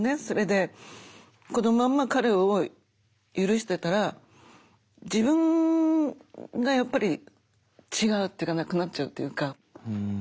それでこのまんま彼を許してたら自分がやっぱり違うっていうかなくなっちゃうっていうか。